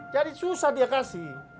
jadi susah dia kasih